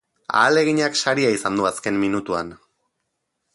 Ahaleginak saria izan du azken minutuan.